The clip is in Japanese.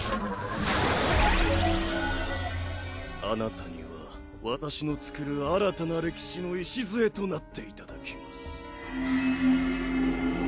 あなたには私の作る新たな歴史の礎となっていただきます。